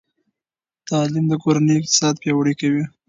تعلیم د کورنۍ اقتصاد پیاوړی کوي.